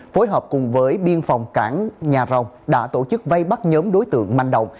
phối hợp cùng với biên phòng cảng nhà rồng đã tổ chức vây bắt nhóm đối tượng manh động